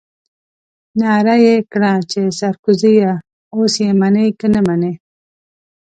نعره يې کړه چې سرکوزيه اوس يې منې که نه منې.